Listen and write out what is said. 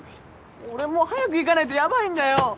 俺もう早く行かないとヤバいんだよ。